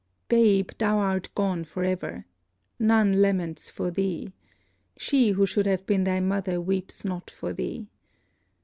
Babe, thou art gone for ever! None laments for thee. She who should have been thy mother weeps not for thee.